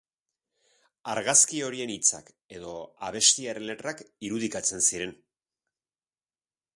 Argazki horiekin hitzak edo abestiaren letrak irudikatzen ziren.